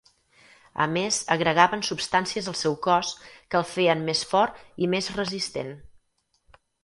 A més agregaven substàncies al seu cos que el feien més fort i més resistent.